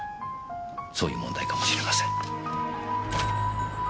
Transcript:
そういう問題かもしれません。